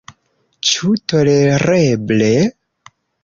Ĉu tolereble?